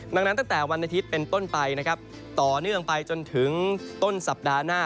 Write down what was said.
ดังนั้นตั้งแต่วันอาทิตย์เป็นต้นไปนะครับต่อเนื่องไปจนถึงต้นสัปดาห์หน้า